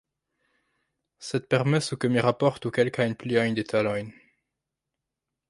Sed permesu ke mi raportu kelkajn pliajn detalojn.